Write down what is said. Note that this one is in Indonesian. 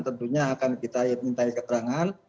tentunya akan kita minta keterangan